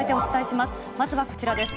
まずはこちらです。